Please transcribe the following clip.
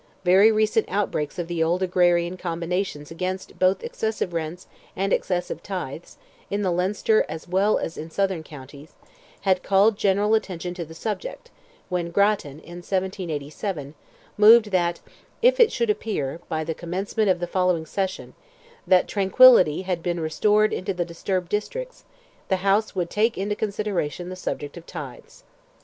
Very recent outbreaks of the old agrarian combinations against both excessive rents and excessive tithes, in the Leinster as well as in southern counties, had called general attention to the subject, when Grattan, in 1787, moved that, if it should appear, by the commencement of the following session, that tranquillity had been restored in the disturbed districts, the House would take into consideration the subject of tithes.